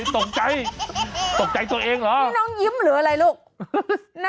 ตกใจตกใจตัวเองเหรอนี่น้องยิ้มหรืออะไรลูก